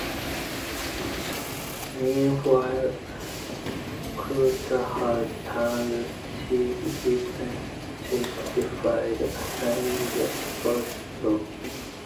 Meanwhile, Cullotta had turned state's witness, testifying against Spilotro.